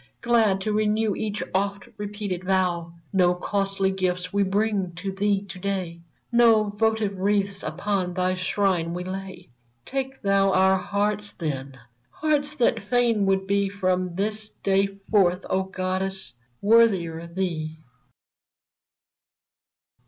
Glad to renew each oft repeated vow ! No costly gifts we bring to thee to day ; No votive wreaths upon thy shrine we lay ; Take thou our hearts, then !— hearts that fain would be From this day forth, O goddess, worthier thee